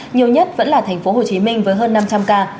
nhiều nhất vẫn là thành phố hồ chí minh với hơn năm trăm linh ca